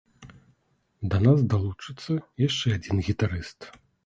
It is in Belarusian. Да нас далучыцца яшчэ адзін гітарыст.